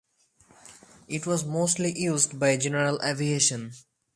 It was mostly used by general aviation.